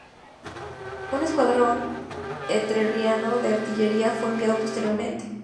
Un escuadrón entrerriano de artillería fue enviado posteriormente.